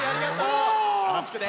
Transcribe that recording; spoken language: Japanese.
よろしくね。